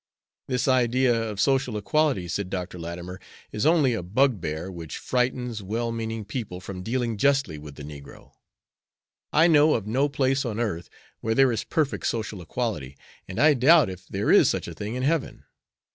"This idea of social equality," said Dr. Latimer, "is only a bugbear which frightens well meaning people from dealing justly with the negro. I know of no place on earth where there is perfect social equality, and I doubt if there is such a thing in heaven.